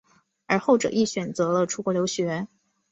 而后者亦选择了出国留学。